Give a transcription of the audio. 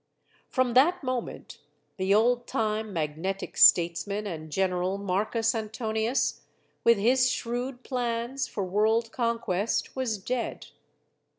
From that moment the old time magnetic statesman and general, Marcus Antonius with his shrewd plans for world conquest was dead.